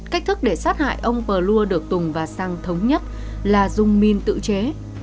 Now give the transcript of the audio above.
cách thức để sát hại ông pờ lua được tùng và săng thống nhất là dùng min tự chế